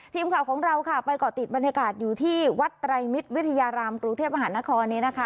ทีมข่าวของเราค่ะไปเกาะติดบรรยากาศอยู่ที่วัดไตรมิตรวิทยารามกรุงเทพมหานครนี้นะคะ